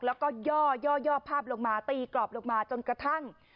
แล้วก็ย่อย่อภาพลงมาตีกรอบลงมาจนกระทั่ง